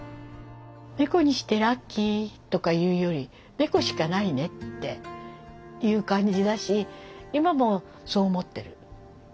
猫にしてラッキーとかいうより猫しかないねっていう感じだし今もそう思ってる。